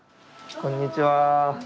こんにちは。